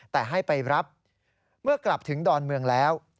แต่ให้ไปรับเมื่อกลับถึงดอนเมืองแล้ว